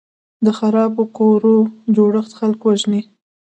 د خرابو کورو جوړښت خلک وژني.